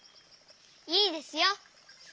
いいですよ。